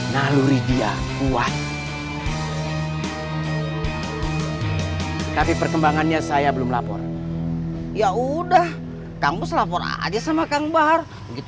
masalahnya saya belum bisa ketemu kang bahar